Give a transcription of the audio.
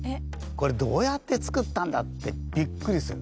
これどうやって作ったんだってびっくりする。